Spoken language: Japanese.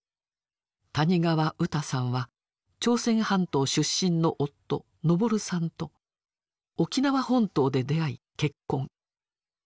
谷川ウタさんは朝鮮半島出身の夫昇さんと沖縄本島で出会い結婚。